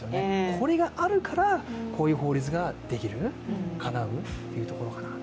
これがあるから、こういう法律ができるかなうというところかなと。